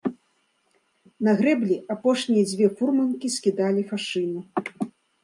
На грэблі апошнія дзве фурманкі скідалі фашыну.